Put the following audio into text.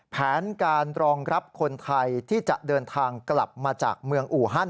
แผนการรองรับคนไทยที่จะเดินทางกลับมาจากเมืองอูฮัน